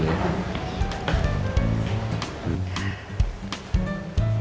yaudah kalau gitu mama bikinin kamu sama al ginger tea ya